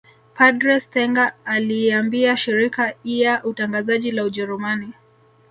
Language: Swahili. Padre Stenger aliiambia shirika ia utangazaji la Ujerumani